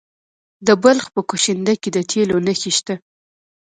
د بلخ په کشنده کې د تیلو نښې شته.